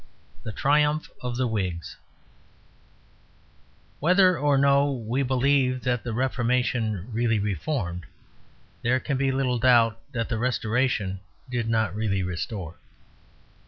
XIV THE TRIUMPH OF THE WHIGS Whether or no we believe that the Reformation really reformed, there can be little doubt that the Restoration did not really restore.